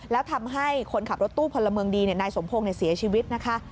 แล้วทำให้คนขับรถตู้พลเมืองดีนายสมพงศ์เสียชีวิตนะคะ